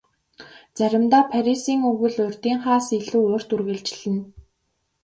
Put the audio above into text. Заримдаа Парисын өвөл урьдынхаас илүү урт үргэлжилнэ.